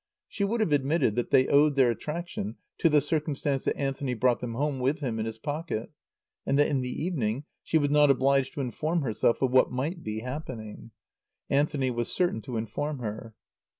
She would have admitted that they owed their attraction to the circumstance that Anthony brought them home with him in his pocket, and that in the evening she was not obliged to inform herself of what might be happening. Anthony was certain to inform her.